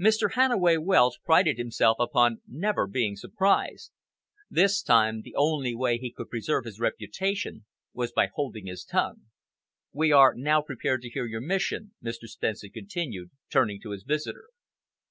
Mr. Hannaway Wells prided himself upon never being surprised. This time the only way he could preserve his reputation was by holding his tongue. "We are now prepared to hear your mission," Mr. Stenson continued, turning to his visitor.